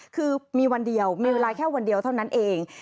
คือมีวันเดียวมีเวลาแค่วันเดียวเท่านั้นเอง